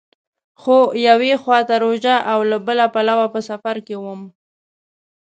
خو یوې خوا ته روژه او له بله پلوه په سفر کې وم.